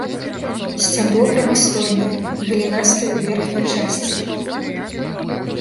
Сцябло прамастойнае, галінастае ў верхняй частцы.